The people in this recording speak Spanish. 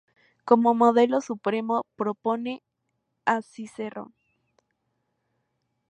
Como modelo supremo propone a Cicerón.